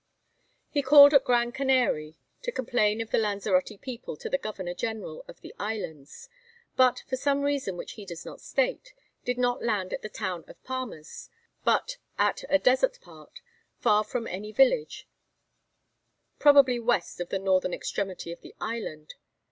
He called at Grand Canary, to complain of the Lanzarote people to the governor general of the islands, but, for some reason which he does not state, did not land at the town of Palmas, but at a desert part, far from any village, probably west of the northern extremity of the island.